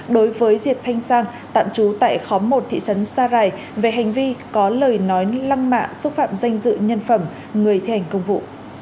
đối với diệt thanh sang tạm trú tại khóm một thị trấn sa rài về hành vi có lời nói lăng mạ xúc phạm danh dự nhân phẩm người thi hành công vụ